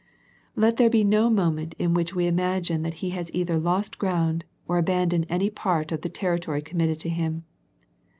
Let there be no moment in which we imagine that He has either lost ground, or abandoned any part of the territory committed to Him.